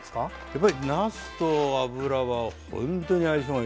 やっぱりなすと油はほんとに相性がいいです。